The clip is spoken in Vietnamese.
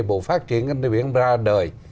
bộ phát triển kinh tế biển ra đời